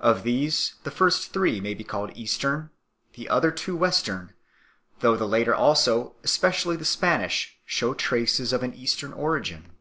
Of these the first three may be called Eastern, the other two Western, though the latter also, especially the Spanish, shew traces of an Eastern origin.